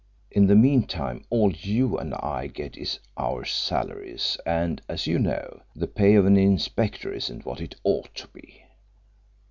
In the meantime all you and I get is our salaries, and, as you know, the pay of an inspector isn't what it ought to be."